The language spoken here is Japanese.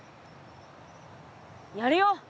やるよ。